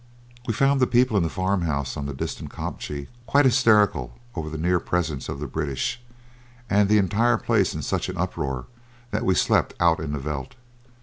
We found the people in the farm house on the distant kopje quite hysterical over the near presence of the British, and the entire place in such an uproar that we slept out in the veldt.